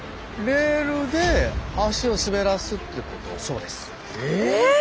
そうです。え！